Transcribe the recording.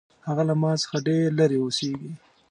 هغه له ما څخه ډېر لرې اوسیږي